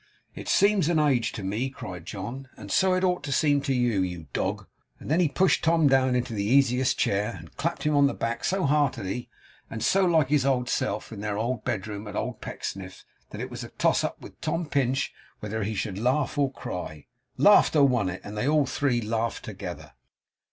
'It seems an age to me,' cried John, 'and so it ought to seem to you, you dog.' And then he pushed Tom down into the easiest chair, and clapped him on the back so heartily, and so like his old self in their old bedroom at old Pecksniff's that it was a toss up with Tom Pinch whether he should laugh or cry. Laughter won it; and they all three laughed together.